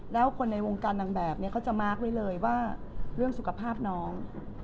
แล้วคนในวงการนางแบบเนี่ยเขาจะมาร์คไว้เลยว่าเรื่องสุขภาพน้อง